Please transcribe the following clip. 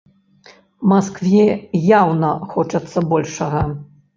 Маскве яўна хочацца большага.